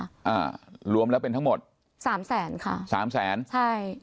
อ่ารวมแล้วเป็นทั้งหมดสามแสนค่ะสามแสนใช่